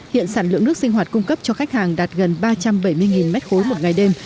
hiện sản lượng nước sinh hoạt cung cấp cho khách hàng đạt gần ba trăm bảy mươi m ba một ngày đêm